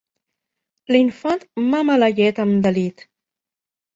L'infant mama la llet amb delit.